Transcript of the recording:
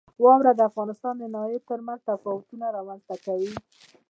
واوره د افغانستان د ناحیو ترمنځ تفاوتونه رامنځته کوي.